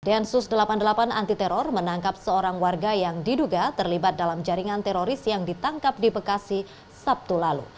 densus delapan puluh delapan anti teror menangkap seorang warga yang diduga terlibat dalam jaringan teroris yang ditangkap di bekasi sabtu lalu